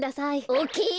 オーケー！